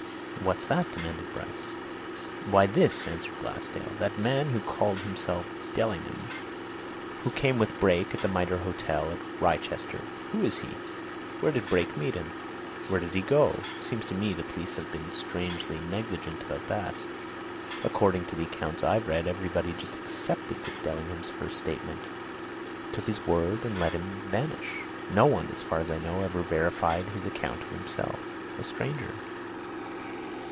"What's that?" demanded Bryce. "Why, this!" answered Glassdale. "That man who called himself Dellingham who came with Brake to the Mitre Hotel at Wrychester who is he? Where did Brake meet him? Where did he go? Seems to me the police have been strangely negligent about that! According to the accounts I've read, everybody just accepted this Dellingham's first statement, took his word, and let him vanish! No one, as far as I know, ever verified his account of himself. A stranger!"